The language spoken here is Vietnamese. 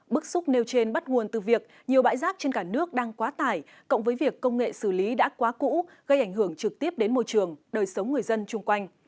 bức xúc nêu trên bắt nguồn từ việc nhiều bãi rác trên cả nước đang quá tải cộng với việc công nghệ xử lý đã quá cũ gây ảnh hưởng trực tiếp đến môi trường đời sống người dân chung quanh